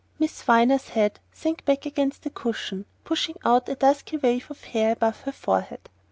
Miss Viner's head sank back against the cushion, pushing out a dusky wave of hair above her forehead.